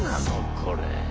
これ。